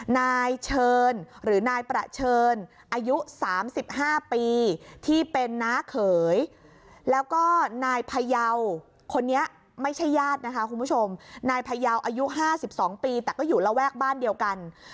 ไม่ใช่ญาตินะคะคุณผู้ชมนายพยาวอายุ๕๒ปีแต่ก็อยู่ระแวกบ้านเดียวกัน